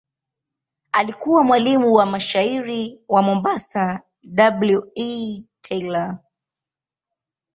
Alikuwa mwalimu wa mshairi wa Mombasa W. E. Taylor.